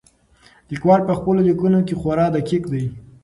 لیکوال په خپلو لیکنو کې خورا دقیق دی.